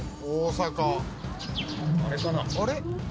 「あれ？